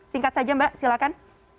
singkat saja mbak silahkan